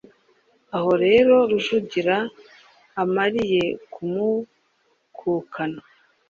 Aho rero Rujugira amariye kumukukana,